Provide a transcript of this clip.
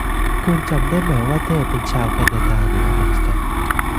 คุณจำได้ไหมว่าเธอเป็นชาวแคนาดาหรืออเมริกัน